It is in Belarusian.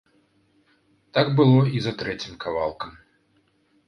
Так было і за трэцім кавалкам.